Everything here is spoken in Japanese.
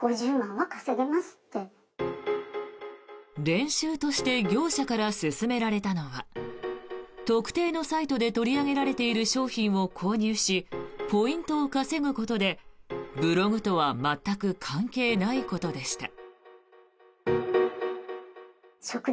練習として業者から勧められたのは特定のサイトで取り上げられている商品を購入しポイントを稼ぐことでブログとは全く関係ないことでした。